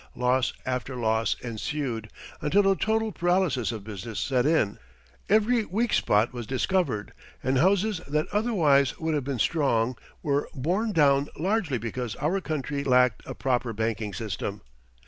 Loss after loss ensued, until a total paralysis of business set in. Every weak spot was discovered and houses that otherwise would have been strong were borne down largely because our country lacked a proper banking system.